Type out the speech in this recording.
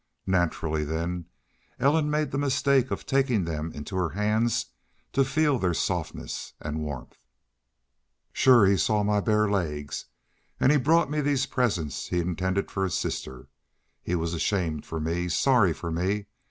Naturally, then, Ellen made the mistake of taking them in her hands to feel their softness and warmth. "Shore! He saw my bare legs! And he brought me these presents he'd intended for his sister.... He was ashamed for me sorry for me....